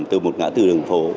từ một ngã tử đường phố